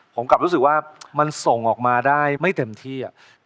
ผมกลับรู้สึกว่ามันส่งออกมาได้ไม่เต็มที่